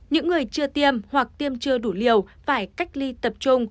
những người chưa tiêm hoặc tiêm chưa đủ liều phải cách ly tập trung